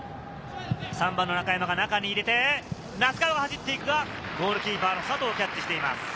３番の中山が中に入れて、名須川が走っていくが、ゴールキーパーの佐藤がキャッチしています。